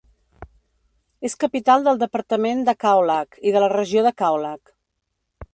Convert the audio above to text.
És capital del departament de Kaolack i de la regió de Kaolack.